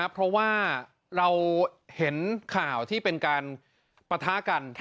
เพราะว่าเราเห็นข่าวที่เป็นการปะทะกัน